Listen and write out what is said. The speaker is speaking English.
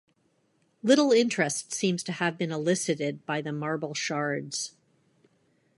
Little interest seems to have been elicited by the marble shards.